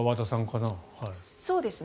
そうですね。